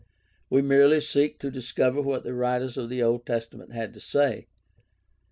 We merely seek to discover what the writers of the Old Testament had to say.